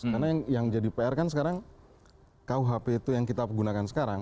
karena yang jadi pr kan sekarang rkuhp itu yang kita gunakan sekarang